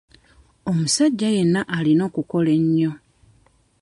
Omusajja yenna alina okukola ennyo.